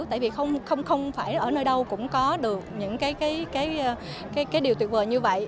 tại vì không phải ở nơi đâu cũng có được những cái điều tuyệt vời như vậy